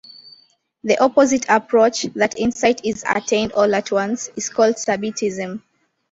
The opposite approach, that insight is attained all at once, is called subitism.